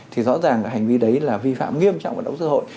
thì rõ ràng hành vi đấy là vi phạm nghiêm trọng vận động xã hội